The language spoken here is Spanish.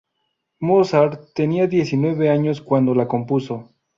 Mozart tenía diecinueve años cuando la compuso.